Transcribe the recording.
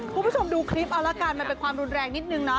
คุณผู้ชมดูคลิปเอาละกันมันเป็นความรุนแรงนิดนึงนะ